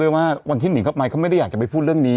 ว่าวันที่หนิงเข้าไปเขาไม่ได้อยากจะไปพูดเรื่องนี้